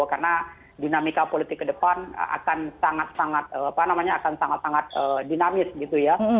karena dinamika politik ke depan akan sangat sangat dinamis gitu ya